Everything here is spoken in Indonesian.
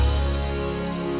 akan sampai raul tau tuh